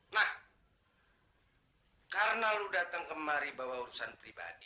nah karena lu datang kemari bawa urusan pribadi